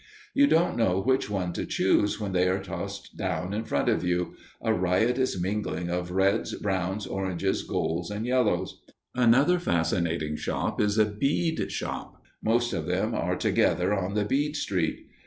You don't know which one to choose when they are tossed down in front of you a riotous mingling of reds, browns, oranges, golds, and yellows. Another fascinating shop is a bead shop. Most of them are together on the bead street.